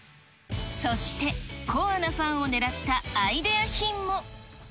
そしてコアなファンをねらったアイデア品も。